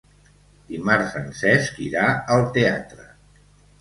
Dimarts en Cesc irà al teatre.